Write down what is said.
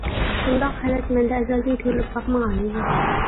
بۇنداق ھالەت مەندە ئەزەلدىن كۆرۈلۈپ باقمىغانىدى.